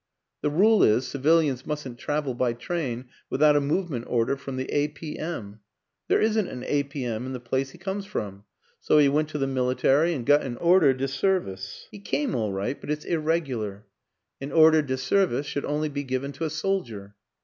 The rule is, civilians mustn't travel by train without a movement order from the A. P. M. ; there isn't an A. P. M. in the place he comes from, so he went to the military and got an 260 WILLIAM AN ENGLISHMAN ordre de service. He came all right, but it's ir regular an ordre de service should only be given to a soldier.